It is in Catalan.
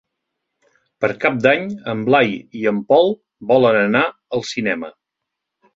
Per Cap d'Any en Blai i en Pol volen anar al cinema.